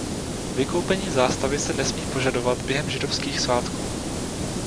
Vykoupení zástavy se nesmí požadovat během židovských svátků.